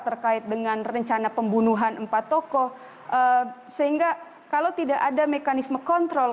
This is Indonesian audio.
terkait dengan rencana pembunuhan empat tokoh sehingga kalau tidak ada mekanisme kontrol